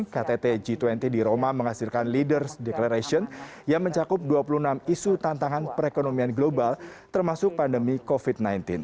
ktt g dua puluh di roma menghasilkan leaders declaration yang mencakup dua puluh enam isu tantangan perekonomian global termasuk pandemi covid sembilan belas